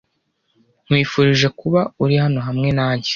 Nkwifurije kuba uri hano hamwe nanjye.